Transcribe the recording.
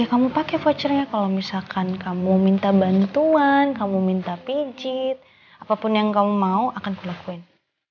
kamu pakai voucher ya kalau misalkan kamu minta bantuan kamu minta pijit apapun yang kamu mau akan kulakuin